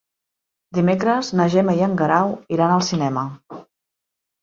Dimecres na Gemma i en Guerau iran al cinema.